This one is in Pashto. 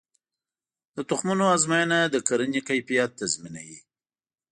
د تخمونو ازموینه د کرنې کیفیت تضمینوي.